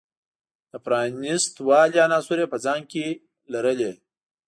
د پرانیست والي عناصر یې په ځان کې لرلی.